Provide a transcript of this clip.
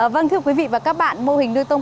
vâng thưa quý vị và các bạn mô hình nuôi tôm